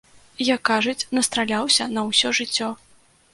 Як кажуць, настраляўся на ўсё жыццё.